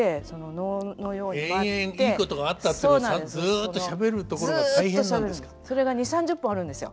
延々いいことがあったってことずっとしゃべるところが大変なんですか？